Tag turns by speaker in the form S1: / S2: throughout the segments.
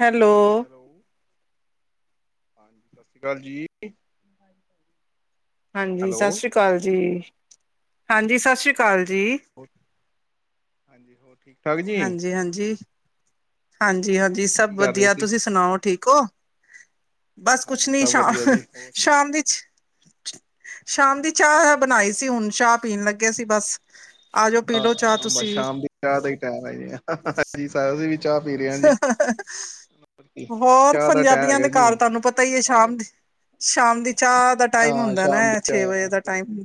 S1: Hello!
S2: ਸਸ ਸ੍ਰੀ ਕਾਲ ਜੀ।
S1: ਹਾਂਜੀ,
S2: ਹੈਲੋ
S1: ਸਸ ਸ੍ਰੀ ਕਾਲ ਜੀ, ਹਾਂਜੀ ਸ
S2: ਠਾਕ ਜੀ।
S1: ਹਾਂਜੀ-ਹਾਂਜੀ। ਹਾਂਜੀ-ਹਾਂਜੀ,
S2: ਹੋਰ
S1: ਸਭ
S2: ਕੀ ਕਰ ਰਹੇ
S1: ਵਦੀਆ
S2: ਸੀ
S1: ਤੁਸੀਂ ਸੁਨਾਓ, ਠੀਕ ਓ? ਬਸ ਕੁਛ
S2: ਹਾਂਜੀ
S1: ਨੀ
S2: ਸਭ
S1: ਸ਼ਾ
S2: ਵਧੀਆ ਜੀ ਹੋਰ
S1: ਸ਼ਾਮ ਦੀ ਚ ਚ ਸ਼ਾਮ ਦੀ ਚਾਹ ਬਨਾਈ ਸੀ ਹੁਨ ਚਾਹ ਪੀਨ ਲੱਗੇ ਸੀ ਬਸ। ਆਜੋ ਪੀ ਲੋ ਚਾਹ ਤੁਸੀਂ ਵੀ।
S2: ਚਾ ਦਾ ਈ ਟਾਈਮ ਹੈ ਜੀ।
S1: ਹਾ-ਹਾ-ਹਾ-ਹਾ!
S2: ਜੀ
S1: ਹੋਰ,
S2: ਚਾਹ ਦਾ ਟਾਈਮ
S1: ਪੰਜਾਬੀਆਂ
S2: ਹੈਗਾ
S1: ਦੇ
S2: ਜੀ
S1: ਘਰ
S2: ਹੁਣ
S1: ਤੁਹਾਨੂੰ ਪਤਾ ਹੀ ਹੈ,
S2: ਨਾਲੇ
S1: ਸ਼ਾਮ ਦੀ, ਸ਼ਾਮ ਦੀ ਚਾਹ ਦਾ ਟਾਈਮ
S2: ਹਾਂ
S1: ਹੁੰਦਾ ਨਾ,
S2: ਸ਼ਾਮ ਦੀ
S1: ਏ ਛੇ ਵਜੇ
S2: ਚਾਹ
S1: ਦਾ
S2: ਬਿਲਕੁਲ
S1: ਟਾਈਮ,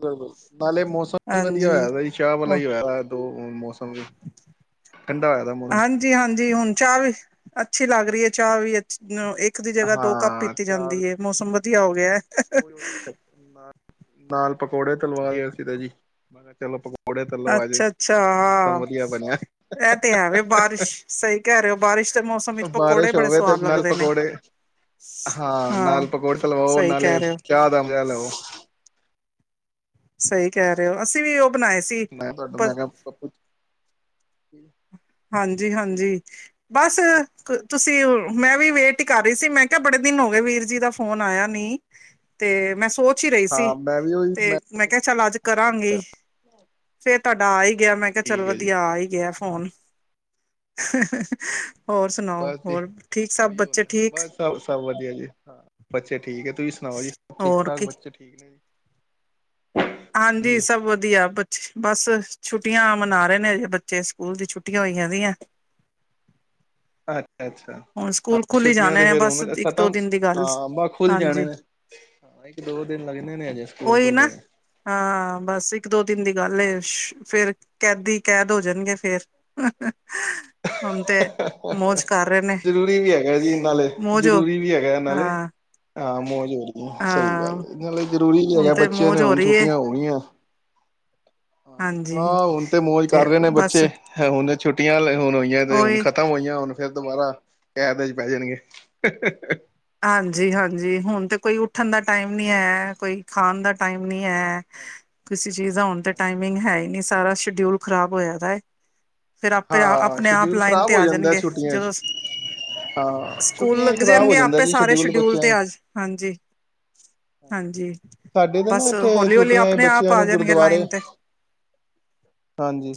S2: ਬਿਲਕੁਲ ਨਾਲੇ ਮੌਸਮ ਵੀ ਵਧੀਆ
S1: ਹਾਂਜੀ।
S2: ਹੋਇਆ ਦਾ ਜੀ ਚਾਹ ਵਾਲਾ ਹੀ ਹੋਇਆ ਦੋ, ਹੁਣ ਮੌਸਮ ਠੰਡਾ ਹੋਇਆ ਦਾ ਮੌ
S1: ਹਾਂਜੀ-ਹਾਂਜੀ ਹੁਣ ਚਾਹ ਵੀ ਅੱਛੀ ਲੱਗ ਰਹੀ ਏ ਚਾਹ ਵੀ ਇੱਕ ਦੀ ਜਗਾ, ਦੋ ਕੱਪ
S2: ਹਾਂ
S1: ਪੀਤੀ
S2: ਚਾਹ
S1: ਜਾਂਦੀ ਏ, ਮੌਸਮ ਵਧੀਆ ਹੋ ਗਿਆ ਐ ਹ
S2: ਉਹੀ ਨਾਲ ਪਕੌੜੇ, ਤਲਵਾ ਲਏ ਅਸੀ ਤਾ ਜੀ, ਮੈਂ ਕਿਹਾ ਚਲੋ ਪਕੌ ਪਕੌੜੇ ਤੱਲੋ ਅਜ,
S1: ਅੱਛਾ-ਅੱਛਾ
S2: ਮੌਸਮ ਵਧੀਆ ਬਣਿਆ, ਹੀ-ਹੀ-ਹੀ!
S1: ਐਂ, ਵੇਂ ਬਾਰਿਸ਼ ਸਹੀ ਕਹਿ ਰਹੇ ਹੋ ਬਾਰਿਸ਼ ਦੇ ਮੌਸਮ ਵਿੱਚ ਪਕੌੜੇ
S2: ਬਾਰਿਸ਼
S1: ਬੜੇ
S2: ਹੋਵੇ, ਤੇ
S1: ਸਵਾਦ
S2: ਨਾਲ
S1: ਲੱਗਦੇ ਨੇ
S2: ਪਕੌੜੇ ਹਾਂ! ਨਾਲ ਪਕੌੜੇ ਤਲਵਾਓ,
S1: ਸਹੀ ਕਹਿ
S2: ਨਾਲੇ
S1: ਰਹੇ ਹੋ
S2: ਚਾਹ ਦਾ ਮਜਾ ਲਓ
S1: ਸਹੀ ਕਹਿ ਰਹੇ ਹੋ, ਅਸੀਂ ਵੀ ਉਹ ਬਣਾਏ ਸੀ
S2: ਨਾਂ ਤੁਹਾਡਾ,
S1: ਪਰ
S2: ਮੈਂ ਕਿਹਾ [inaudible] [inaudible]
S1: ਹਾਂਜੀ-ਹਾਂਜੀ! ਬਸ। ਕ ਤੁਸੀਂ, ਮੈਂ ਵੀ ਵੇਟ ਹੀ ਕਰ ਰਹੀ ਸੀ। ਮੈਂ ਕਿਹਾ ਬੜੇ ਦਿਨ ਹੋ ਗਏ, ਵੀਰ ਜੀ ਦਾ ਫੋਨ ਆਇਆ ਨਈ ਤੇ ਮੈਂ, ਸੋਚ ਹੀ ਰਹੀ ਸੀ।
S2: ਹਾਂ ਮੈਂ ਵੀ ਉਹੀ
S1: ਤੇ ਮੈਂ ਕਿਹਾ, ਚੱਲ ਅੱਜ
S2: ਅੱਛਾ ਅੱਛਾ
S1: ਕਰਾਂਗੀ ਫੇਰ ਤੁਹਾਡਾ ਆ ਹੀ ਗਿਆ, ਮੈਂ ਕਿਹਾ ਚੱਲ
S2: ਠੀਕ ਹੈ ਜੀ
S1: ਵਧੀਆ, ਆ ਹੀ ਗਿਆ ਫੋਨ ਹਾ ਹਾ ਹਾ 'ਹੋਰ
S2: ਹਾਂਜੀ
S1: ਸੁਣਾਓ,
S2: ਬਸ ਜੀ
S1: ਹੋਰ ਠੀਕ ਸਭ
S2: ਉਹੀ
S1: ਬੱਚੇ
S2: ਹੁੰਦਾ
S1: ਠੀਕ
S2: ਬਸ ਸਭ, ਸਭ ਵਧੀਆ ਜੀ, ਬੱਚੇ ਠੀਕ, ਤੁਸੀਂ ਸੁਣਾਓ? ਜੀ ਸਭ ਠੀਕ
S1: ਹੋਰ
S2: ਠਾਕ
S1: ਕੀ
S2: ਬੱਚੇ ਠੀਕ ਨੇ ਜੀ!
S1: ਹਾਂਜੀ, ਸਭ ਵਧੀਆ ਬਸ, ਛੁੱਟੀਆਂ ਮਨਾ ਰਹੇ ਨੇ ਅਜੇ ਬੱਚੇ, ਸਕੂਲ ਦੀ ਛੁੱਟੀਆਂ ਹੋਈਆ ਦੀਆਂ
S2: ਅੱਛਾ-ਅੱਛਾ
S1: ਹੁਣ
S2: ਹਾਂ
S1: ਸਕੂਲ ਖੁੱਲ ਹੀ
S2: ਛੁੱਟੀਆਂ
S1: ਜਾਣੇ
S2: ਤੇ
S1: ਨੇ
S2: ਫੇਰ
S1: ਬਸ
S2: ਹੁਣ
S1: ਇੱਕ ਦੋ
S2: ਖਤਮ,
S1: ਦਿਨ ਦੀ ਗੱਲ
S2: ਹਾਂ ਬਾ ਖੁੱਲ ਜਾਣੇ
S1: ਹਾਂਜੀ
S2: ਨੇ ਹਾਂ, ਇੱਕ- ਦੋ ਦਿਨ ਲੱਗਣੇ ਨੇ ਅਜੇ ਸਕੂਲ
S1: ਉਹੀ
S2: ਖੁੱਲਦੇ
S1: ਨਾ, ਹਾਂ, ਬਸ ਇੱਕ- ਦੋ ਦਿਨ ਦੀ ਗੱਲ ਏ, 'ਫੇਰ ਕੈਦੀ ਕੈਦ ਹੋ ਜਾਣਗੇ ਫੇਰ ਹੁਣ ਤੇ, ਮੌਜ ਕਰ ਰਹੇ ਨੇ
S2: ਜ਼ਰੂਰੀ ਵੀ ਹੈਗਾ ਜੀ ਨਾਲੇ,
S1: ਮੌਜ ਹੋ
S2: ਜ਼ਰੂਰੀ ਵੀ ਹੈਗਾ ਇਹ ਨਾਲੇ
S1: ਹਾਂ
S2: ਆਹ ਮੋਜ ਸਹੀ ਗੱਲ
S1: ਹਾਂ
S2: ਏ, ਇਹਨਾਂ ਜਰੂਰੀ ਵੀ ਨਈ
S1: ਹੁਣ
S2: ਹੈਗਾ,
S1: ਤੇ
S2: ਬੱਚਿਆਂ ਨੇ
S1: ਮੌਜ ਹੋ
S2: ਹੁਣ
S1: ਰਹੀ ਹੈ
S2: ਛੁੱਟੀਆਂ ਹੋਗੀਆਂ
S1: ਹਾਂਜੀ
S2: ਹਾਂ, ਹੁਣ ਤੇ ਮੌਜ ਕਰ ਰਹੇ ਨੇ ਬੱਚੇ, ਹੁਣ ਛੁੱਟੀਆਂ ਹੁਣ ਹੋਈਆਂ ਤੇ ਹੁਣ
S1: ਉਹੀ
S2: ਖ ਤਾਂ ਹੋਈਆਂ ਹੁਣ, ਫਿਰ ਦੁਬਾਰਾ ਕੇਦ ਚ ਪੈ ਜਾਣਗੇ
S1: ਹਾਂਜੀ, ਹਾਂਜੀ ਹੁਣ ਤਾਂ ਕੋਈ ਉੱਠਣ ਦਾ ਟਾਈਮ ਨਈ ਹੈ, ਕੋਈ ਖਾਣ ਦਾ ਟਾਈਮ ਨਈ ਹੈ
S2: ਹਮ [unintelligible] [inaudible]
S1: ਕਿਸੇ ਚੀਜ਼ ਦਾ ਹੁਣ ਤੇ, ਟਾਈਮਿੰਗ ਹੈ ਹੀ ਨੀ, ਸਾਰਾ ਸ਼ਡੂਊਲ ਖਰਾਬ ਹੋਇਆ ਦਾ ਏ। ਫਿਰ ਆਪੇ,
S2: ਹਾਂ
S1: ਆਪਣੇ ਆਪ
S2: ਸ਼ਡਿਊਲ
S1: ਲਾਈਨ
S2: ਖ਼ਰਾਬ
S1: ਤੇ,
S2: ਹੋ
S1: ਆ
S2: ਜਾਂਦਾ
S1: ਜਾਣਗੇ
S2: ਛੁੱਟੀਆਂ
S1: ਜਦੋਂ
S2: ਚ ਹਾਂ
S1: ਸਕੂਲ
S2: ਛੁੱਟੀਆਂ ਚ
S1: ਲੱਗ
S2: ਖ਼ਰਾਬ ਹੋ
S1: ਜਾਣਗੇ,
S2: ਜਾਂਦਾ
S1: ਆਪੇ
S2: ਜੀ
S1: ਸਾਰੇ ਸ਼ਡਿਊਲ
S2: ਬੱਚਿਆਂ
S1: ਤੇ
S2: ਨੂੰ।
S1: ਆ ਜਾ ਹਾਂਜੀ, ਹਾਂਜੀ।
S2: ਸਾਡੇ ਤੇ ਨਾ
S1: ਬਸ
S2: ਇੱਥੇ,
S1: ਹੌਲੀ ਹੌਲੀ
S2: ਛੁੱਟੀਆਂ ਚ
S1: ਆਪਣੇ ਆਪ
S2: ਬੱਚਿਆਂ
S1: ਆ
S2: ਨੂੰ
S1: ਜਾਣਗੇ
S2: ਗੁਰਦੁਆਰੇ
S1: ਲਾਈਨ ਤੇ
S2: ਹਾਂਜੀ,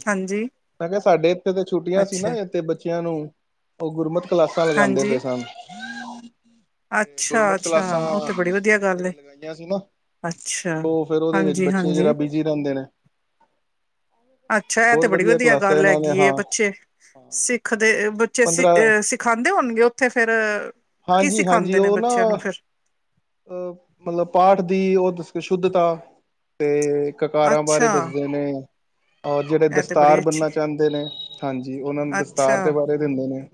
S2: ਮੈਂ ਕਿਹਾ ਸਾਡੇ ਇੱਥੇ ਤਾਂ, ਛੁੱਟੀਆਂ ਸੀ
S1: ਅੱਛਾ
S2: ਨਾ ਇਥੇ ਬੱਚਿਆਂ ਨੂੰ ਉਹ ਗੁਰਮਤ ਕਲਾਸਾਂ ਲਗਾਦੇ
S1: ਹਾਂਜੀ
S2: ਪਏ ਸਨ। ਤੇ
S1: ਅੱਛਾ
S2: ਗੁਰਮਤ
S1: ਅੱਛਾ
S2: ਕਲਾਸਾਂ,
S1: ਉਹ ਤੇ ਬੜੀ ਵਧੀਆ ਗੱਲ ਏ
S2: ਜਿਹੜੀਆਂ ਲਗਈਆਂ ਸੀ ਨਾ ਤੇ
S1: ਅੱਛਾ
S2: ਉਹ ਫੇਰ, ਉਹਦੇ ਵਿੱਚ
S1: ਹਾਂਜੀ
S2: ਬੱਚੇ
S1: ਹਾਂਜੀ
S2: ਜਿਰਾ ਬਿਜੀ ਰਹਿੰਦੇ ਨੇ
S1: ਅੱਛਾ, ਇਹ
S2: ਬਹੁਤ
S1: ਤੇ ਬੜੀ ਵਧੀਆ,
S2: ਕਲਾਸਾਂ
S1: ਗੱਲ
S2: ਇਹਨਾਂ ਨੇ
S1: ਹੈਗੀ ਏ
S2: ਹਾਂ
S1: ਬੱਚੇ ਸਿੱਖਦੇ ਬੱਚੇ ਸਿ
S2: ਪੰਦਰਾਂ
S1: ਅਹ ਸਿਖਾਦੇ, ਹੋਣਗੇ ਉੱਥੇ ਫੇਰ ਕੀ
S2: ਹਾਂਜੀ
S1: ਸਿਖਾਉਂਦੇ ਨੇ ਬੱਚਿਆਂ ਨੂੰ ਫੇਰ?
S2: ਅਹ ਮਤਲਬ ਪਾਠ ਦੀ ਉਹ ਦੱਸ ਕੇ ਸ਼ੁੱਧਤਾ ਤੇ- ਕਕਾਰਾਂ, ਬਾਰੇ
S1: ਅੱਛਾ
S2: ਦੱਸਦੇ ਨੇ। ਔਰ ਜਿਹੜੇ
S1: ਇਹ ਤੇ ਬੜੀ
S2: ਦਸਤਾਰ
S1: ਅੱਛੀ
S2: ਬਣਨਾ ਚਾਹੁੰਦੇ ਨੇ ਹਾਂਜੀ ਉਹਨਾਂ ਨੂੰ
S1: ਅੱਛਾ
S2: ਦਸਤਾਰ ਦੇ ਬਾਰੇ ਦਿੰਦੇ ਨੇ।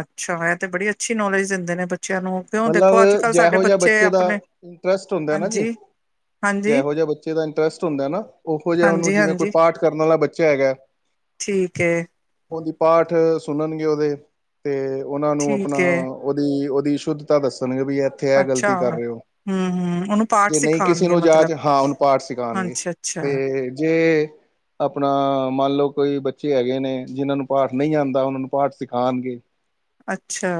S1: ਅੱਛਾ, ਇਹ ਤੇ ਬੜੀ ਅੱਛੀ ਨੌਲੇਜ ਦਿੰਦੇ ਨੇ ਬੱਚਿਆਂ ਨੂੰ। ਕਿਉਂ
S2: ਮਤਲਬ
S1: ਦੇਖੋ ਅੱਜ ਕੱਲ੍ਹ ਸਾਡੇ
S2: ਜਿਹੋ ਜਿਹਾ ਬੱਚੇ ਦਾ
S1: ਆਪਣੇ
S2: ਇੰਟਰਸਟ ਹੁੰਦਾ ਨਾ ਜੀ,
S1: ਹਾਂਜੀ ਹਾਂਜੀ
S2: ਜਿਹੋ ਜਿਹੇ ਬੱਚੇ ਦਾ ਇੰਟਰਸਟ ਹੁੰਦਾ ਨਾ, ਉਹੋ ਜਿਹਾ ਉਹਨੂੰ
S1: ਹਾਂਜੀ
S2: ਜਿਵੇਂ ਕੋਈ
S1: ਹਾਂਜੀ
S2: ਪਾਠ ਕਰਨ ਵਾਲਾ ਬੱਚਾ ਹੈਗਾ।
S1: ਠੀਕ ਏ।
S2: ਉਹਦੀ ਪਾਠ ਸੁਣਨਗੇ ਉਹਦੇ ਤੇ ਉਹਨਾਂ ਨੂੰ ਆਪਣਾ,
S1: ਠੀਕ ਹੈ
S2: ਉਹਦੀ- ਉਹਦੀ ਸ਼ੁੱਧਤਾ ਦੱਸਣਗੇ, ਵੀ ਇੱਥੇ ਆ
S1: ਅੱਛਾ
S2: ਗਲਤੀ ਕਰ ਰਹੇ ਹੋ।
S1: ਹਮ ਹਮ ਉਹਨੂੰ ਪਾਠ
S2: ਜੇ ਨਹੀਂ ਕਿਸੇ
S1: ਸਿਖਾਉਣਗੇ
S2: ਨੂੰ
S1: ਮਤਲਬ
S2: ਜਾਚ ਹਾਂ ਓਨੂੰ ਪਾਠ ਸਿਖਾਉਣਗੇ,
S1: ਅੱਛਾ ਅੱਛਾ
S2: ਤੇ ਜੇ- ਆਪਣਾ ਮੰਨ ਲਓ ਕੋਈ ਬੱਚੇ ਹੈਗੇ ਨੇ, ਜਿਹਨਾਂ ਨੂੰ ਪਾਠ ਨਹੀਂ ਆਉਂਦਾ ਉਹਨਾਂ ਨੂੰ ਪਾਠ ਸਿਖਾਨਗੇ।
S1: ਅੱਛਾ,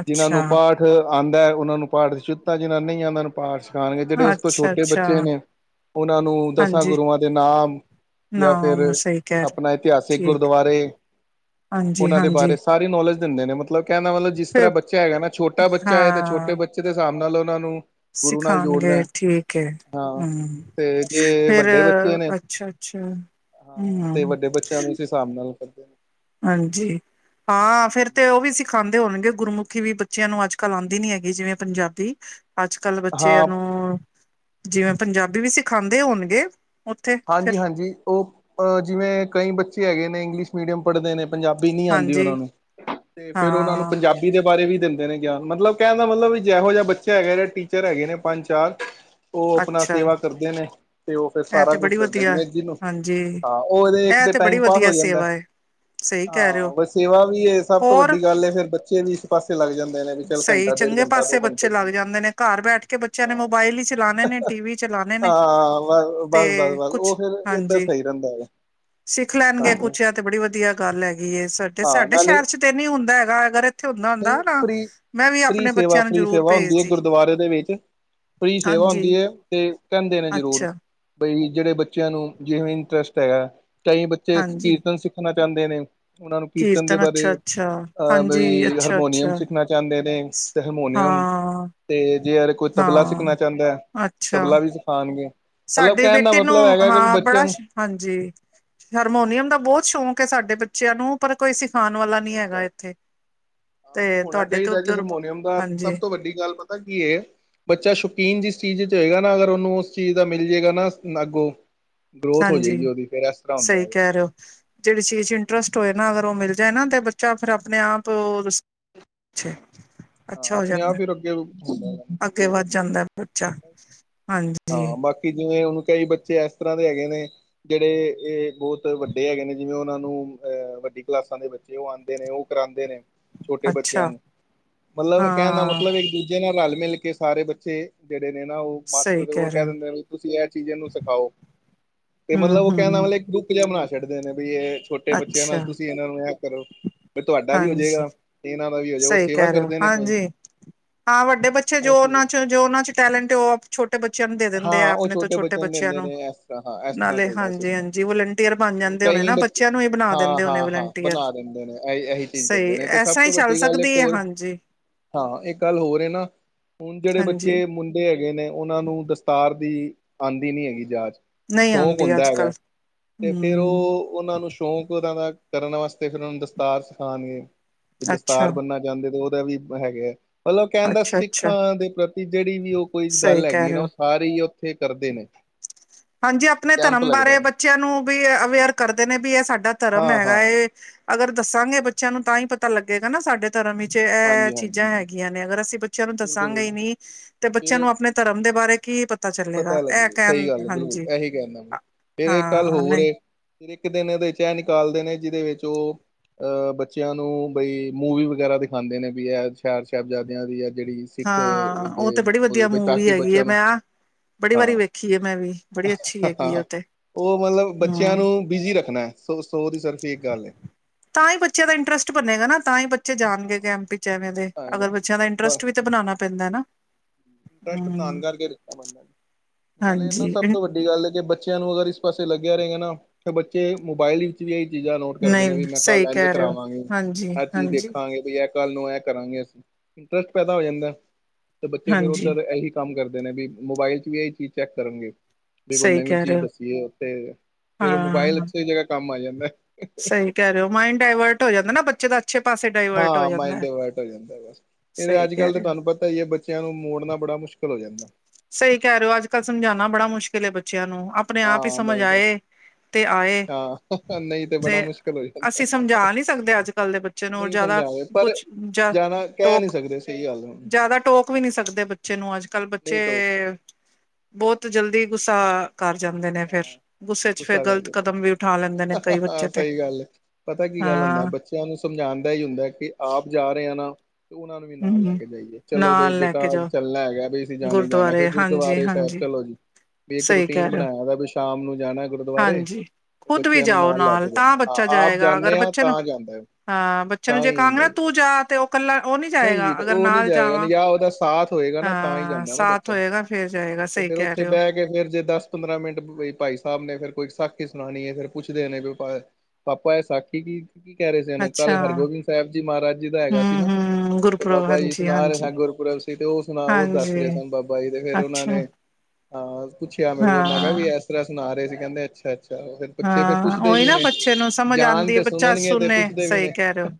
S1: ਅੱਛਾ।
S2: ਦੇ ਆਉਂਦਾ ਏ ਉਹਨਾਂ ਨੂੰ ਪਾਠ ਦੀ ਸ਼ੁੱਧਤਾ, ਜਿਹਨਾ ਨਹੀਂ ਆਂਦਾ ਉਹ ਨੂੰ ਪਾਠ ਸਿਖਾਉਣਗੇ, ਜਿਹੜੇ ਉਸ ਤੋਂ
S1: ਅੱਛਾ
S2: ਛੋਟੇ
S1: ਅੱਛਾ
S2: ਬੱਚੇ ਨੇ। ਉਹਨਾਂ ਨੂੰ ਦਸਾਂ
S1: ਹਾਂਜੀ
S2: ਗੁਰੂਆਂ ਦੇ ਨਾਮ,
S1: ਨਾ
S2: ਜਾਂ ਫੇਰ
S1: ਸਹੀ ਕਹਿ ਰਹੇ
S2: ਆਪਣਾ ਇਤਿਹਾਸਿਕ ਗੁਰਦੁਆਰੇ,
S1: ਹਾਂਜੀ-ਹਾਂਜੀ।
S2: ਨੋਲੇਜ ਦਿੰਦੇ ਨੇ, ਮਤਲਬ ਕਹਿਦਾ ਮਤਲਬ ਜਿਸ ਤਰਾਂ ਬੱਚਾ ਹੈਗਾ ਨਾ, ਛੋਟਾ ਬੱਚਾ ਹੈ ਤੇ ਛੋਟੇ
S1: ਹਾਂ
S2: ਬੱਚੇ, ਬੱਚੇ ਦੇ ਹਿਸਾਬ ਨਾਲ ਉਹਨਾਂ ਨੂੰ, ਗੁਰੂ ਨਾਲ
S1: ਸਿਖਾਉਣਗੇ
S2: ਜੋੜਨਾ
S1: ਠੀਕ ਹੈ,
S2: ਹਾਂ
S1: ਹੂੰ
S2: ਤੇ ਜੇ
S1: ਫੇਰ
S2: ਵੱਡੇ ਬੱਚੇ ਨੇ
S1: ਅੱਛਾ, ਅੱਛਾ।
S2: ਹਾਂ ਤੇ
S1: ਹੂੰ,
S2: ਵੱਡੇ ਬੱਚਿਆਂ ਨੂੰ ਓਸ ਹਿਸਾਬ ਨਾਲ ਕਰਦੇ।
S1: ਹਾਂਜੀ, ਹਾਂ ਫੇਰ
S2: ਨੇ
S1: ਤੇ ਉਹ ਵੀ ਸਿਖਾਉਂਦੇ ਹੋਣਗੇ ਗੁਰਮੁਖੀ ਵੀ ਬੱਚਿਆਂ ਨੂੰ ਅੱਜ ਕੱਲ ਆਉਂਦੀ ਨੀ ਹੈਗੀ ਜਿਵੇਂ ਪੰਜਾਬੀ। ਅੱਜ ਕੱਲ ਬੱਚਿਆਂ
S2: ਹਾਂ
S1: ਨੂੰ ਜਿਵੇਂ ਪੰਜਾਬੀ ਵੀ ਸਿਖਾਉਂਦੇ ਹੋਣਗੇ। ਉੱਥੇ ਫਿਰ
S2: ਹਾਂਜੀ- ਹਾਂਜੀ ਉਹ ਜਿਵੇਂ ਕਈ ਬੱਚੇ ਹੈਗੇ ਨੇ ਇੰਗਲਿਸ਼- ਮੀਡੀਅਮ ਪੜਦੇ ਨੇ ਪੰਜਾਬੀ ਨਹੀਂ ਆਉਂਦੀ
S1: ਹਾਂਜੀ,
S2: ਉਹਨਾਂ ਨੂੰ ਤੇ ਫੇਰ ਉਹਨਾਂ ਨੂੰ
S1: ਹਾਂ
S2: ਪੰਜਾਬੀ- ਦੇ ਬਾਰੇ ਵੀ ਦਿੰਦੇ ਨੇ ਗਿਆਨ ਮਤਲਬ ਕਹਿਣ ਦਾ ਮਤਲਬ ਵੀ ਜਿਹੋ ਜਿਹਾ ਬੱਚੇ ਹੈਗਾ ਜਾਂ ਟੀਚਰ ਹੈਗੇ ਨੇ ਪੰਜ- ਚਾਰ, ਉਹ ਆਪਣਾ
S1: ਅੱਛਾ।
S2: ਸੇਵਾ ਕਰਦੇ ਨੇ ਤੇ ਉਹ ਫੇਰ
S1: ਐ
S2: ਸਾਰਾ
S1: ਤੇ
S2: ਕੁਛ-
S1: ਬੜੀ ਵਧੀਆ,
S2: ਜਵੇ ਜੀ ਨੂੰ
S1: ਹਾਂਜੀ
S2: ਹਾਂ ਉਹਦੇ ਇੱਕ
S1: ਐ
S2: ਤੇ
S1: ਬੜੀ
S2: ਟਾਈਮ ਪਾਸ
S1: ਵਧੀਆ
S2: ਹੋ ਜਾਂਦਾ ਐ।
S1: ਸੇਵਾ ਏ। ਸਹੀ ਕਹਿ ਰਹੇ ਹੋ,
S2: ਹਾਂ ਵ ਸੇਵਾ ਵੀ ਹੈ ਸਭ ਤੋਂ
S1: ਹੋਰ
S2: ਵੱਡੀ ਗੱਲ ਹੈ ਫੇਰ ਬੱਚਿਆਂ ਦੀ-
S1: ਸਹੀ ਚੰਗੇ
S2: ਦੋ
S1: ਪਾਸੇ
S2: ਘੰਟੇ
S1: ਬੱਚੇ ਲੱਗ
S2: ਬੰਦੇ
S1: ਜਾਂਦੇ ਨੇ ਘਰ ਬੈਠ ਕੇ ਬੱਚਿਆਂ
S2: ਹਾਂ
S1: ਨੇ ਮੋਬਾਇਲ ਹੀ ਚਲਾਣੇ ਨੇ ਟੀ ਵੀ- ਚਲਾਣੇ ਨੇ,
S2: ਹਾਂ ਬ ਬਸ ਬਸ
S1: ਤੇ-
S2: ਬਸ ਉਹ
S1: ਕੁਛ
S2: ਫੇਰ ਏਦਾਂ
S1: ਹਾਂਜੀ
S2: ਸਹੀ ਰਹਿੰਦਾ ਹੈਗਾ
S1: ਸਿੱਖ ਲੈਣਗੇ
S2: ਹਾਂਜੀ
S1: ਕੁਛ ਐ- ਤੇ ਬੜੀ ਵਧੀਆ ਗੱਲ ਹੈਗੀ ਏ ਸਾਡੇ-
S2: ਹਾਂ
S1: ਸਾਡੇ
S2: ਨਾਲੇ
S1: ਸ਼ਹਿਰ ਚ ਤੇ ਨੀ ਹੁੰਦਾ ਹੈਗਾ ਅਗਰ ਇੱਥੇ ਹੁੰਦਾ- ਹੁੰਦਾ ਨਾ- ਮੈਂ ਵੀ
S2: ਫ੍ਰੀ
S1: ਆਪਣੇ
S2: ਸੇਵਾ-
S1: ਬੱਚਿਆਂ ਨੂੰ
S2: ਫ੍ਰੀ
S1: ਜ਼ਰੂਰ
S2: ਸੇਵਾ ਹੁੰਦੀ ਹੈ
S1: ਭੇਜਦੀ
S2: ਗੁਰਦੁਆਰੇ ਦੇ ਵਿੱਚ ਫ੍ਰੀ ਸੇਵਾ ਹੁੰਦੀ
S1: ਹਾਂਜੀ
S2: ਹੈ। ਤੇ ਕਹਿੰਦੇ ਨੇ ਜ਼ਰੂਰ
S1: ਅੱਛਾ
S2: ਬਈ ਜਿਹੜੇ ਬੱਚਿਆਂ ਨੂੰ ਜਿਵੇਂ ਇੰਟਰਸਟ ਹੈਗਾ। ਕਈ ਬੱਚੇ
S1: ਹਾਂਜੀ
S2: ਕੀਰਤਨ ਸਿੱਖਣਾ ਚਾਹੁੰਦੇ ਨੇ- ਉਹਨਾਂ ਨੂੰ ਕੀਰਤਨ ਦੇ
S1: ਅੱਛਾ
S2: ਬਾਰੇ
S1: ਅੱਛਾ
S2: ਅਹ
S1: ਹਾਂਜੀ
S2: ਬਈ-
S1: ਅੱਛਾ
S2: ਹਰਮੋਨੀਅਮ
S1: ਅੱਛਾ
S2: ਸਿੱਖਣਾ ਚਾਹੁੰਦੇ ਨੇ ਤੇ ਹਰਮੋਨੀਅਮ-
S1: ਹਾਂ
S2: ਤੇ ਜੇ ਅਰ ਕੋਈ ਤਬਲਾ
S1: ਹਾਂ
S2: ਸਿੱਖਣਾ ਚਾਹੁੰਦਾ ਹੈ
S1: ਅੱਛਾ
S2: ਤਬਲਾ ਵੀ ਸਿਖਾਉਣਗੇ- ਮਤਲਬ
S1: ਸਾਡੇ
S2: ਕਹਿਣ ਦਾ
S1: ਬੇਟੇ ਨੂੰ
S2: ਮਤਲਬ ਹੈਗਾ ਕਿ ਵੀ
S1: ਹਾਂ
S2: ਬੱਚਿਆਂ
S1: ਬੜਾ
S2: ਨੂੰ-
S1: ਸ਼ ਹਾਂਜੀ ਹਾਰਮੋਨੀਅਮ ਦਾ ਬੋਤ ਸ਼ੌਂਕ ਹੈ ਸਾਡੇ ਬੱਚਿਆਂ ਨੂੰ- ਪਰ ਕੋਈ ਸਿਖਾਉਣ ਵਾਲਾ ਨੀ
S2: ਅੱਛਾ
S1: ਹੈਗਾ
S2: ਅੱਛਾ
S1: ਇੱਥੇ।
S2: ਹਾਂ ਤੇ ਹੋਣਾ
S1: ਤੁਹਾਡੇ ਤੇ
S2: ਚਾਹੀਦਾ ਜੀ
S1: ਉੱਧਰ
S2: ਹਰਮੋਨੀਅਮ ਦਾ
S1: ਹਾਂਜੀ
S2: ਸਭ ਤੋਂ ਵੱਡੀ ਗੱਲ ਪਤਾ ਕੀ ਇਹ- ਬੱਚਾ ਸ਼ੌਕੀਨ ਜਿਸ ਚੀਜ਼ ਚ ਹੋਏਗਾ ਨਾ ਅਗਰ ਉਹਨੂੰ ਉਸ ਚੀਜ਼ ਦਾ ਮਿਲ ਜਾਏਗਾ ਨਾ ਅੱਗੋਂ ਗਰੋਥ ਹੋ ਜਾਏਗੀ ਉਹਦੀ ਫੇਿਰ ਇਸ ਤਰ੍ਹਾਂ ਹੁੰਦਾ ਹੈਗਾ
S1: ਕਰੋ ਜਿਹੜੀ ਚੀਜ਼ ਚ ਇੰਟਰਸਟ ਹੋਏ ਨਾ ਅਗਰ ਉਹ ਮਿਲ ਜਾਏ ਨਾ ਤੇ ਬੱਚਾ ਫਿਰ ਆਪਣੇ ਆਪ ਉਹ ਅੱਛਾ।
S2: ਹਾਂ
S1: ਅੱਛਾ ਹੋ
S2: ਆਪਣੇ
S1: ਜਾਂਦਾ,
S2: ਆਪ ਹੀ ਅੱਗੇ ਹੁੰਦਾ ਬਿਲਕੁਲ
S1: ਅੱਗੇ ਵੱਧ
S2: ਬਿਲਕੁਲ
S1: ਜਾਂਦਾ, ਬੱਚਾ ਹਾਂਜੀ।
S2: ਹਾਂ ਬਾਕੀ ਜਿਵੇਂ ਹੁਣ ਕਈ ਬੱਚੇ ਇਸ ਤਰ੍ਹਾਂ ਦੇ ਹੈਗੇ ਨੇ ਜਿਹੜੇ ਇਹ ਬਹੁਤ ਵੱਡੇ ਹੈਗੇ ਨੇ ਜਿਵੇਂ ਉਹਨਾਂ ਨੂੰ ਅਹ ਵੱਡੀ ਕਲਾਸਾਂ ਦੇ ਬ ਉਹ ਆਉਂਦੇ ਨੇ, ਉਹ ਕਰਾਉਂਦੇ ਨੇ, ਛੋਟੇ ਬੱਚਿਆਂ
S1: ਅੱਛਾ
S2: ਨੂੰ- ਮਤਲਬ ਕਹਿਣ ਦਾ
S1: ਹਾਂ
S2: ਮਤਲਬ ਇੱਕ ਦੂਜੇ ਨਾਲ ਰਲ ਮਿਲ ਕੇ ਸਾਰੇ ਬੱਚੇ ਜਿਹੜੇ ਨੇ ਨਾ ਉਹ
S1: ਸਹੀ
S2: ਮਾਸਟਰ ਉਹਰ
S1: ਰਹੇ
S2: ਕਹਿ
S1: ਹੋ
S2: ਦਿੰਦੇ ਨੇ ਵੀ ਤੁਸੀਂ ਇਹ ਚੀਜ਼ ਇਹਨੂੰ ਸਿਖਾਔ ਏ
S1: ਹੂੰ
S2: ਮਤਲਬ ਉਹ ਕਹਿਣ ਦਾ ਮਤਲਬ
S1: ਹੂੰ
S2: ਇੱਕ ਬੁੱਕ ਜਿਹਾ ਬਣਾ ਛੱਡਦੇ ਨੇ ਬਈ ਇਹ ਛੋਟੇ ਬੱਚਿਆਂ
S1: ਅੱਛਾ
S2: ਨਾਲ ਤੁਸੀਂ ਇਹਨਾਂ ਨੂੰ ਇਹ ਕਰੋ ਵੀ ਤੁਹਾਡਾ ਵੀ
S1: ਹਾਂਜੀ
S2: ਹੋਜੇਗਾ। ਇਹਨਾਂ ਦਾ ਵੀ ਹੋ ਜੇਗਾ ਔਹ
S1: ਸਹੀ
S2: ਸੇਵਾ
S1: ਕਹਿ ਰਹੇ
S2: ਕਰਦੇ
S1: ਹੋ ਹਾਂਜੀ। ਹਾਂ ਵੱਡੇ ਬੱਚੇ ਜੋ
S2: ਉਹ ਚੀਜ਼ ਹੈ।
S1: ਉਹਨਾਂ ਚ ਜੋ ਉਹਨਾਂ ਚ ਟੈਲੈਂਟ ਉਹ ਆਪ ਛੋਟੇ ਬੱਚਿਆਂ ਨੂੰ ਦੇ ਦਿੰਦੇ ਆ
S2: ਹਾਂ ਉਹ
S1: ਆਪਣੇ ਤੋਂ
S2: ਛੋਟੇ
S1: ਛੋਟ ਬੱਚਿਆਂ
S2: ਦਿੰਦੇ ਨੇ
S1: ਨੂੰ
S2: ਇਸ ਤਰ੍ਹਾਂ ਹਾਂ ਇਸ ਤਰ੍ਹਾਂ
S1: ਨਾਲੇ
S2: ਚੱਲਦਾ
S1: ਹਾਂਜੀ-
S2: ਸਿਸਟਮ
S1: ਹਾਂਜੀ ਵਲੰਟੀਅਰ ਬਣ
S2: ਹੁਣ
S1: ਜਾਂਦੇ ਹੋਣੇ
S2: ਕਈ
S1: ਨਾ
S2: ਬੱਚੇ
S1: ਬੱਚਿਆਂ ਨੂੰ ਹੀ ਬਣਾ
S2: ਹਾਂ
S1: ਦਿੰਦੇ
S2: ਹਾਂ ਹਾਂ
S1: ਹੋਣੇ
S2: ਬਣਾ ਦਿੰਦੇ ਨੇ ਇਹ ਇਹੀ ਚੀਜ਼ ਕਰਦੇ
S1: ਸਈ
S2: ਨੇ ਤੇ ਸਭ
S1: ਐਸਾ ਹੀ
S2: ਤੋਂ
S1: ਚੱਲ
S2: ਵੱਡੀ ਗੱਲ ਇੱਕ
S1: ਸਕਦੀ ਹੈ
S2: ਹੋਰ
S1: ਹਾਂਜੀ।
S2: ਹਾਂ ਇਹ ਗੱਲ ਹੋਰ ਹੈ ਨਾ ਹੁਣ ਜਿਹੜੇ
S1: ਹਾਂਜੀ
S2: ਬੱਚੇ ਮੁੰ ਜੇ ਹੈਗੇ ਨੇ ਉਹਨਾਂ ਨੂੰ ਦਸਤਾਰ ਦੀ ਆਉਂਦੀ ਨੀ ਹੈਗੀ ਜਾਂਚ। ਉਹ
S1: ਨਹੀਂ
S2: ਸ਼ੌਕ
S1: ਆਂਦੀ
S2: ਹੁੰਦਾ
S1: ਅੱਜ-ਕੱਲ
S2: ਹੈਗਾ ਤੇ ਫੇਰ
S1: ਹੂੰ,
S2: ਉਹ ਉਹਨਾਂ ਨੂੰ ਸ਼ੌਂਕ ਉਨ੍ਹਾਂ ਦਾ ਕਰਨ ਵਾਸਤੇ ਫਿਰ ਉਹਨਾਂ ਨੂੰ ਦਸਤਾਰ ਸਿਖਾਉਣਗੇ ਕਿ ਦਸਤਾਰ ਬੰਨਾ ਜਾਂਦੇ ਤੇ ਉਹਦਾ ਵੀ ਹੈਗੇ ਹੈ ਮਤਲਬ ਕਹਿੰਦਾ
S1: ਅੱਛਾ-ਅੱਛਾ-ਅੱਛਾ
S2: ਸਿੱਖਾਂ ਦੇ ਪ੍ਰਤੀ ਜਿਹੜੀ ਵੀ ਉਹ ਕੋਈ
S1: ਸਹੀ
S2: ਗੱਲ
S1: ਕਹਿ
S2: ਹੈਗੀ ਨਾ
S1: ਰਹੇ
S2: ਉਹ
S1: ਹੋ।
S2: ਸਾਰੇ ਹੀ ਉੱਥੇ ਕਰਦੇ ਨੇ।
S1: ਹਾਂਜੀ ਆਪਣੇ
S2: ਕੈਂਪ
S1: ਧਰਮ
S2: ਲੱਗਦਾ
S1: ਬਾਰੇ ਬੱਚਿਆਂ ਨੂੰ ਵੀ ਅਵੇਅਰ ਕਰਦੇ ਨੇ ਵੀ ਇਹ ਸਾਡਾ ਧਰਮ
S2: ਹਾਂ ਹਾਂ
S1: ਹੈਗਾ ਵੇਂ। ਅਗਰ ਦੱਸਾਂਗੇ ਬੱਚਿਆਂ ਨੂੰ ਤਾਂ ਹੀ ਪਤਾ ਲੱਗੇਗਾ ਨਾ ਸਾਡੇ ਧਰਮ ਵਿੱਚ ਇਹ
S2: ਹਾਂਜੀ ਹਾਂਜੀ
S1: ਚੀਜ਼ਾਂ ਹੈਗੀਆਂ ਨੇ ਅਗਰ ਅਸੀਂ ਬੱਚਿਆਂ ਨੂੰ
S2: ਬਿਲਕੁਲ
S1: ਦੱਸਾਂਗੇ
S2: ਬਿਲਕੁਲ
S1: ਨੀ ਤੇ ਬੱਚਿਆਂ
S2: ਫਿਰ
S1: ਨੂੰ ਆਪਣੇ ਧਰਮ ਦੇ ਬਾਰੇ ਕੀ ਪਤਾ ਚੱਲੇਗਾ ਇਹ
S2: ਲੱਗੇ ਸਹੀ
S1: ਕਹਿਣ
S2: ਗੱਲ
S1: ਹਾਂਜੀ।
S2: ਬਿਲਕੁਲ ਇਹੀ ਕਹਨਾ ਫੇਰ ਏਕ ਗੱਲ
S1: ਹਾਂ
S2: ਹੋਰ
S1: ਨਹੀਂ
S2: ਏ ਫਿਰ ਇੱਕ ਦਿਨ ਇਹਦੇ ਚ ਐ ਨਿਕਾਲਦੇ ਨੇ ਜਿਹਦੇ ਵਿੱਚ ਉਹ ਅਹ ਬੱਚਿਆਂ ਨੂੰ ਬਈ ਮੂਵੀ ਵਗੈਰਾ ਦਿਖਾਉਂਦੇ ਨੇ ਵੀ ਐ ਸ਼ਹਿਰ ਸਾਹਿਬਜ਼ਾਦਿਆਂ ਦੀ ਜਿਹੜੀ ਸਿੱਖ
S1: ਹਾਂ
S2: ਉਹਦੇ
S1: ਤੇ ਬੜੀ ਵਧੀਆ
S2: ਉਹ
S1: ਮੂਵੀ
S2: ਤਾਕਿ
S1: ਹੈਗੀ ਹੈ
S2: ਬੱਚਿਆਂ ਨੂੰ
S1: ਮੈਂ ਬੜੀ ਵਾਰੀ ਵੇਖੀ ਹੈ ਮੈਂ ਵੀ
S2: ਹਾਂ-ਹਾਂ
S1: ਬੜੀ ਅੱਛੀ ਹੈਗੀ ਹੈ ਉਹ ਤੇ
S2: ਉਹ ਮਤਲਬ ਬੱਚਿਆਂ
S1: ਹੂੰ।
S2: ਨੂੰ ਬਿਜ਼ੀ ਰੱਖਣਾ ਹੈ ਸੋ ਸੋ ਦੀ ਸਰਫ਼ੀ ਇੱਕ ਗੱਲ ਹੈ।
S1: ਤਾਂ ਹੀ ਬੱਚੇ ਦਾ ਇੰਟਰਸਟ ਬਣੇੇਗਾ ਨਾ ਤਾਂ ਹੀ ਬੱਚ ਬੱਚੇ ਜਾਣਗੇ
S2: ਹਾਂ,
S1: ਕੈਂਪ ਚ ਐਵੇਂ ਦੇ
S2: ਤਾਂ
S1: ਅਗਰ
S2: ਹੈਗਾ
S1: ਬੱਚਿਆਂ ਦਾ
S2: ਬਸ
S1: ਇੰਟਰਸਟ ਵੀ ਤਾਂ ਬਣਾਣਾ ਪੈਂਦਾ ਹੈ ਨਾ।
S2: ਇੰਟਰਸਟ ਬਣਾਣ
S1: ਹਮ
S2: ਕਰਕੇ ਦਿੱਤਾ ਬੰਦਾ ਨੇ ਨਾਲ਼ੇ ਇਹ ਨਾ
S1: ਹਾਂਜੀ
S2: ਸਭ ਤੋਂ ਵੱਡੀ ਗੱਲ ਕਿ ਬੱਚਿਆਂ ਨੂੰ ਅਗਰ ਪਾਸੇ ਲੱਗਿਆ ਰਹੇਗਾ ਨਾ ਬੱਚੇ ਮੋਬਾਇਲ ਵਿੱ ਵੀ ਇਹ ਚੀਜ਼ਾਂ ਨੋਟ ਕਰਦੇ ਨੇ
S1: ਨਹੀਂ
S2: ਵਈ ਮੈਂ
S1: ਸਹੀ
S2: ਕੱਲ ਐਂਜ
S1: ਕਹਿ ਰਹੇ ਹੋ
S2: ਕਰਾਵਾਂਗੇ
S1: ਹਾਂਜੀ
S2: ਇਹ ਚੀਜ਼
S1: ਹਾਂਜੀ
S2: ਦੇਖਾਂਗੇ। ਇਹ ਕੱਲ ਨੂੰ ਇਹ ਕਰਾਂਗੇ ਅਸੀਂ ਇੰਟਰਸਟ ਪੈਦਾ ਹੋ ਜਾਂਦਾ ਤੇ ਬੱਚੇ ਫੇਰ ਔ
S1: ਹਾਂਜੀ
S2: ਇਹੀ ਕੰਮ ਕਰਦੇ ਨੇ ਵੀ ਮੋਬਾਇਲ ਚ ਵੀ ਇਹੀ ਚੀਜ਼ ਚੈੱਕ ਕਰਨਗੇ। ਵੀ ਕੋਈ
S1: ਸਹੀ
S2: ਨਵੀਂ
S1: ਕਹਿ
S2: ਚੀਜ਼
S1: ਰਹੇ ਹੋ
S2: ਦੱਸੀਏ ਤੇ ਫਿਰ ਉਹ ਮੋਬਾਇਲ
S1: ਹਾਂ
S2: ਅੱਛੇ ਜਗ੍ਹਾ ਕੰਮ ਆ ਜਾਂਦਾ।
S1: ਸਹੀ ਕਹਿ ਰਹੇ ਹੋ, ਮਾਈੰਡ ਡਾਇਵਰਟ ਹੋ ਜਾਂਦਾ ਨਾ ਬੱਚੇ ਦਾ, ਅੱਛੇ ਪਾਸੇ ਡ
S2: ਹਾਂ ਮਾਇੰਡ ਡਾਇਵਰਟ ਹੋ ਜਾਂਦਾ ਬਸ ਇਹਦੇ
S1: ਸਹੀ
S2: ਅੱਜ
S1: ਕਹਿ
S2: ਕੱਲ ਤਾਂ
S1: ਰਹੇ ਹੋ
S2: ਤੁਹਾਨੂੰ ਪਤਾ ਤਾਂ ਇਹ ਬੱਚਿਆਂ ਨੂੰ ਮੋੜਨਾ ਬੜਾ ਮੁਸ਼ਕਿਲ ਹੋ ਜਾਂਦਾ।
S1: ਸਹੀ ਕਹਿ ਰਹੇ ਹੋ ਅੱਜ ਕੱਲ ਸਮਝਾਉਣਾ ਬੜਾ ਮੁਸ਼ਕਿਲ ਬੱਚਿਆਂ ਨੂੰ ਆਪਣੇ ਆਪ ਹੀ
S2: ਹਾਂ
S1: ਸਮਝ
S2: ਬਸ ਬਸ
S1: ਆਏ ਤੇ ਆਏ
S2: ਹਾਂ ਨਹੀਂ ਬੜਾ
S1: ਤੇ
S2: ਮੁਸ਼ਕਿਲ ਹੋ ਜਾਂਦਾ
S1: ਅਸੀਂ ਸਮਝਾ ਨਹੀਂ ਸਕਦੇ ਅੱਜ ਕੱਲ ਦੇ ਬੱਚੇ ਨੂੰ
S2: ਨਹੀਂ
S1: ਜਿਆਦਾ
S2: ਸਮਝਾਵੇ ਪਰ
S1: ਕੁਛ
S2: ਜਾਣਾ ਕਹਿ ਨਹੀਂ
S1: ਟੋਕ
S2: ਸਕਦੇ ਸਹੀ ਗੱਲ ਹੁਣ
S1: ਜ਼ਿਆਦਾ ਟੋਕ ਵੀ ਨਹੀਂ ਸਕਦੇ ਬੱਚੇ ਨੂੰ ਅੱਜ ਕੱਲ ਬੱਚੇ
S2: ਨਹੀਂ ਟੋਕ ਸਕਦੇ
S1: ਬਹੁਤ ਜਲਦੀ ਗੁੱਸਾ ਕਰ ਜਾਂਦੇ ਨੇ ਫਿਰ
S2: ਹਾਂ
S1: ਗੁੱਸੇ ਚ ਫਿਰ
S2: ਗੁੱਸਾ ਕਰ
S1: ਗ਼ਲਤ ਕਦਮ ਵੀ ਉਠਾ ਲੈਂਦੇ ਨੇ ਕਈ ਬੱਚੇ
S2: ਦਿੱਤਾ
S1: ਤੇ
S2: ਸਹੀ ਗੱਲ ਹੈ ਪਤਾ ਕੀ ਗੱਲ ਹੁੰਦਾ
S1: ਹਾਂ
S2: ਬੱਚਿਆਂ ਨੂੰ ਸਮਝਾਉਣ ਦਾ ਹੀ ਹੁੰਦਾ ਕਿ ਆਪ ਜਾ ਰਹੇ ਆ ਨਾ ਤੇ ਉਹਨਾਂ ਨੂੰ ਵੀ ਨਾਲ ਲੈ
S1: ਹਮ
S2: ਕੇ ਜਾਈਏ ਚਲੋ ਬਈ
S1: ਨਾਲ ਲੈ ਕੇ
S2: ਬੇਟਾ ਅੱਜ
S1: ਜਾਓ
S2: ਚੱਲਣਾ ਹੈਗਾ ਬਈ ਅਸੀਂ ਜਾਣਾ ਹੀ ਜਾਣਾ ਫਿਰ
S1: ਗੁਰਦੁਆਰੇ ਹਾਂਜੀ
S2: ਗੁਰਦੁਆਰੇ ਸਾਹਿਬ
S1: ਹਾਂਜੀ
S2: ਚਲੋ ਜੀ ਵੀ ਇੱਕ
S1: ਸਹੀ
S2: ਰੂਟੀਨ
S1: ਕਹਿ ਰਹੇ ਹੋ
S2: ਬਣਾਇਆ ਦਾ ਵੀ ਸ਼ਾਮ ਨੂੰ ਜਾਣਾ ਗੁਰਦੁਆਰੇ
S1: ਹਾਂਜੀ
S2: ਤੇ
S1: ਖੁਦ ਵੀ
S2: ਬੱਚਿਆਂ ਨੂੰ
S1: ਜਾਓ
S2: ਨਾਲ ਲੈ ਕੇ
S1: ਤਾਂ
S2: ਜਾਣਾ ਹਾਂ
S1: ਬੱਚਾ
S2: ਆਪ
S1: ਜਾਏਗਾ ਅਗਰ
S2: ਜਾਂਦੇ ਹਾਂ।
S1: ਬੱਚੇ ਨੂੰ
S2: ਤਾਂ ਜਾਂਦਾ
S1: ਹਾਂ ਬੱਚੇ ਨੂੰ
S2: ਤਾਂ
S1: ਜੇ
S2: ਹੀ ਜਾਂਦਾ
S1: ਕਹਾਂਗੇ
S2: ਜੀ
S1: ਤੂੰ ਜਾ ਤੇ ਉਹ ਇਕੱਲਾ ਉਹ ਨਹੀਂ
S2: ਨਹੀਂ ਜੀ
S1: ਜਾਏਗਾ ਅਗਰ
S2: ਉਹ ਨਹੀਂ
S1: ਨਾਲ
S2: ਜਾਏਗਾ
S1: ਜਾਵਾਂ
S2: ਜਾਂ ਉਹਦਾ ਸਾਥ ਹੋਏਗਾ ਨਾ ਤਾਂ ਹੀ
S1: ਹਾਂ
S2: ਜਾਂਦਾ ਨਾ
S1: ਸਾਥ
S2: ਬੱਚਾ
S1: ਹੋਏਗਾ ਫੇਰ ਜਾਏਗਾ ਸਹੀ
S2: ਫਿਰ
S1: ਕਹਿ
S2: ਉੱਥੇ
S1: ਰਹੇ ਹੋ
S2: ਬਹਿ ਕੇ ਫਿਰ ਜੇ ਦੱਸ ਪੰਦਰਾਂ ਮਿੰਟ ਭਾਈ ਸਾਹਿਬ ਨੇ ਫਿਰ ਕੋਈ ਸਾਖੀ ਸੁਣਾਉਣੀ ਹੈ ਫਿਰ ਪੁੱਛਦੇ ਨੇ [unintelligible] ਪਾਪਾ ਇਹ ਸਾਖੀ ਕੀ ਕੀ ਕਹਿ ਰਹੇ ਸੀ ਕੱਲ
S1: ਅੱਛਾ
S2: ਹਰਗੋਬਿੰਦ ਸਾਹਿਬ ਜੀ ਮਹਾਰਾਜ ਜੀ ਦਾ ਹੈਗਾ ਸੀ ਨਾ
S1: ਹਮ ਹਮ
S2: ਤੇ
S1: ਗੁਰਪੁਰਬ
S2: ਬਾਬਾ ਜੀ
S1: ਹਾਂਜੀ
S2: ਸੁਣਾ ਰਹੇ
S1: ਹਾਂਜੀ
S2: ਗੁਰਪੁਰਬ ਸੀ ਤੇ ਉਹ ਸੁਣਾ ਉਹ ਦੱਸ
S1: ਹਾਂਜੀ
S2: ਰਹੇ ਸਨ ਬਾਬਾ ਜੀ ਤੇ ਫਿਰ ਉਹਨਾਂ
S1: ਅੱਛਾ,
S2: ਨੇ ਹਾਂ ਪੁੱਛਿਆ ਮੇਰੇ ਕੋਲ ਮੈਂ ਕਿਹਾ ਵੀ
S1: ਹਾਂ।
S2: ਇਸ ਤਰ੍ਹਾਂ ਸੁਣਾ ਰਹੇ ਸੀ ਕਹਿੰਦੇ ਅੱਛਾ ਅੱਛਾ ਫਿਰ ਬੱਚੇ
S1: ਹਾਂ,
S2: ਪੁੱਛਦੇ
S1: ਉਹੀ
S2: ਵੀ
S1: ਨਾ
S2: ਨੇ
S1: ਬੱਚੇ ਨੂੰ ਸਮਝ
S2: ਜਾਣ
S1: ਆਂਦੀ ਏ,
S2: ਤੇ
S1: ਬੱਚਾ
S2: ਸੁਣਨਗੇ ਤੇ
S1: ਸੁਣੇ
S2: ਪੁੱਛਦੇ ਵੀ
S1: ਸਹੀ
S2: ਨੇ
S1: ਕਹਿ ਰਹੇ ਹੋ।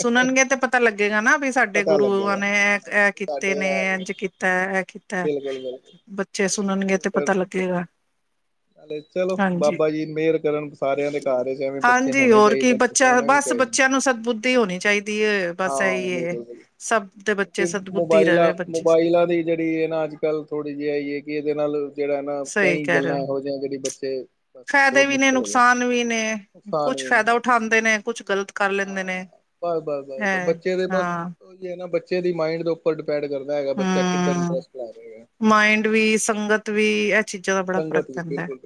S1: ਸੁਣਨਗੇ ਤੇ ਪ ਪਤਾ ਲੱਗੇਗਾ ਨਾ ਵੀ ਸਾਡੇ
S2: ਪਤਾ
S1: ਗੁਰੂ
S2: ਲੱਗੇਗਾ
S1: ਨੇ ਇਹ ਇਹ ਕੀਤੇ
S2: ਸਾਡੇ
S1: ਨੇ
S2: ਹੈਗੇ
S1: ਇੰਝ ਕੀਤਾ ਇਹ ਹੈ
S2: ਬਿਲਕੁਲ ਬਿਲਕੁਲ
S1: ਬੱਚੇ ਸੁਣਨਗੇ ਤੇ
S2: ਫਿਰ
S1: ਪਤਾ ਲੱਗੇਗਾ
S2: ਚਲੋ
S1: ਹਾਂਜੀ।
S2: ਬਾਬਾ ਜੀ ਮਿਹਰ ਕਰਨ ਸਾਰਿਆਂ ਦੇ ਘਰ ਐਵੇਂ ਬੱਚੇ
S1: ਹਾਂਜੀ,
S2: ਹੋਣੇ
S1: ਹੋਰ ਕੀ
S2: ਚਾਹੀਦੇ
S1: ਬੱਚਾ
S2: ਹੋਣਾ ਵੀ
S1: ਬਸ
S2: ਚਾਹੀਦਾ
S1: ਬੱਚਿਆਂ ਨੂੰ ਸਦਬੁੱਧੀ ਹੋਣੀ ਚਾਹੀਦੀ ਏ, ਬਸ ਇਹੀ
S2: ਹਾਂ
S1: ਏ।
S2: ਬਿਲਕੁਲ ਬਿਲਕੁਲ
S1: ਸਭ ਦੇ
S2: ਕਿ
S1: ਸਦਬੁੱਧੀ
S2: ਮੋਬਾਇਲਾਂ
S1: ਰਵੇ ਬੱਚੇ,
S2: ਮੋਬਾਇਲਾਂ ਦੀ ਜਿਹੜੀ ਇਹ ਨਾ ਅੱਜ ਕੱਲ ਥੋੜੀ ਜਿਹੀ ਆਈ ਹੈ ਕਿ ਇਹਦੇ ਨਾਲ ਜਿਹੜਾ ਨਾ ਕਈ ਗੱਲਾਂ ਇਹੋ ਜਿਹੀ ਜਿਹੜੀ ਬੱਚੇ ਬਸ
S1: ਫ਼ਾਇਦੇ
S2: ਬਹੁਤ
S1: ਵੀ ਨੇ
S2: ਮੁਸ਼ਕਿਲ ਹੋ ਜਾਂਦਾ
S1: ਨੁਕਸਾਨ ਵੀ ਨੇ
S2: ਨੁਕਸਾਨ
S1: ਕੁਛ
S2: ਵੀ ਨੇ ਹਾਂ
S1: ਫਾਇਦਾ ਉਠਾਉਂਦੇ ਨੇ ਕੁਛ ਗ਼ਲਤ ਕਰ ਲੈਂਦੇ ਨੇ ਹੈ ਹਾਂ।
S2: ਉੰਝ ਬੱਚੇ ਦੀ ਮਾਇੰਡ ਦੇ ਉੱਪਰ ਡਿਪੈਂਡ ਕਰਦਾ ਹੈਗਾ ਬੱਚਾ ਕਿੱਦਾਂ
S1: ਹੂੰ,
S2: ਇੰਟਰਸਟ ਲੈ ਰਿਹਾ
S1: ਮਾਇੰਡ ਵੀ ਸੰਗਤ ਵੀ ਇਹ ਚੀਜ਼ਾਂ ਦਾ ਬੜਾ ਫ਼ਰਕ
S2: ਸੰਗਤ ਵੀ
S1: ਪੈਂਦਾ ਹੈ।
S2: ਬਿਲਕੁਲ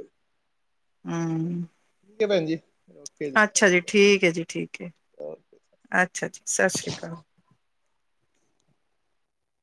S1: ਹੂੰ,,,
S2: ਓਕੇ ਭੈਣ ਜੀ। ਓਕੇ ਸਤਿ
S1: ਅੱਛਾ ਜੀ
S2: ਸ਼੍ਰੀ
S1: ਠੀਕ ਏ ਜੀ ਠੀਕ ਏ,
S2: ਅਕਾਲ ਓਕੇ
S1: ਅੱਛਾ ਜੀ ਸ਼੍ਰੀ ਕਾਲ।